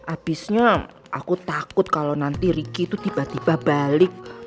abisnya aku takut kalau nanti riki itu tiba tiba balik